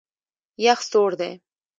یخ سوړ دی.